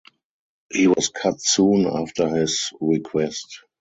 He was cut soon after his request.